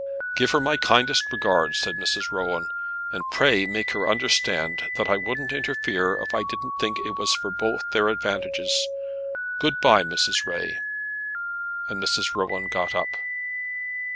"Give her my kindest respects," said Mrs. Rowan; "and pray make her understand that I wouldn't interfere if I didn't think it was for both their advantages. Good bye, Mrs. Ray." And Mrs. Rowan got up.